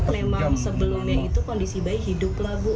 memang sebelumnya itu kondisi bayi hiduplah bu